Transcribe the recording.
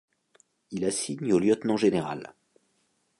Il assigne au lieutenant général.